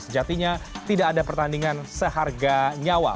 sejatinya tidak ada pertandingan seharga nyawa